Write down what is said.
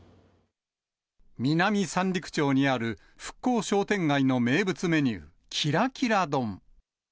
南三陸町にある復興商店街の名物メニュー、キラキラ丼。